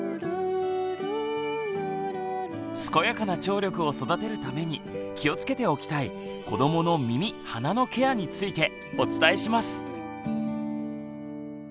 健やかな聴力を育てるために気をつけておきたい子どもの耳・鼻のケアについてお伝えします。